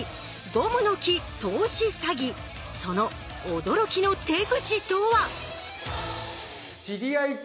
その驚きの手口とは？